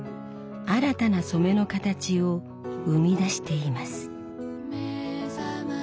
新たな染めの形を生み出しています。